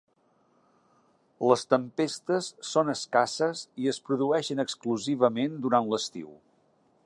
Les tempestes són escasses i es produeixen exclusivament durant l'estiu.